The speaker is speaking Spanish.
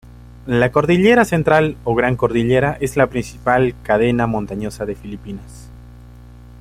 La Cordillera Central o Gran Cordillera es la principal cadena montañosa de Filipinas.